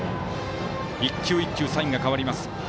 １球、１球サインが変わります。